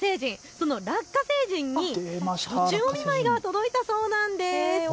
そのラッカ星人に暑中見舞いが届いたそうです。